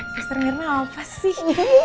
sosir mirna apa sih